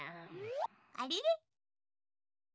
あれれ？